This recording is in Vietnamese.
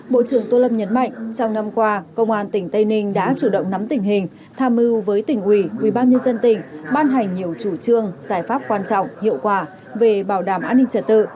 bộ trưởng tô lâm nhấn mạnh trong năm qua công an tỉnh tây ninh đã chủ động nắm tình hình tham mưu với tỉnh ủy ubnd tỉnh ban hành nhiều chủ trương giải pháp quan trọng hiệu quả về bảo đảm an ninh trật tự